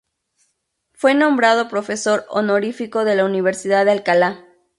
Fue nombrado profesor honorífico de la Universidad de Alcalá.